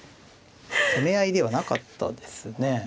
攻め合いではなかったですね。